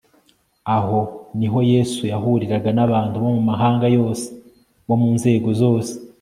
aho niho yesu yahuriraga n'abantu bo mu mahanga yose, bo mu nzego zose